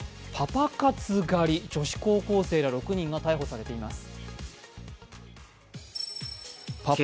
パパ活狩り、女子高校生ら６人が逮捕されています。